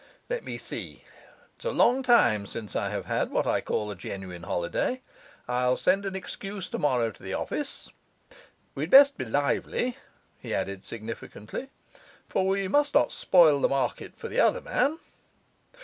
Let me see: it's a long time since I have had what I call a genuine holiday; I'll send an excuse tomorrow to the office. We had best be lively,' he added significantly; 'for we must not spoil the market for the other man.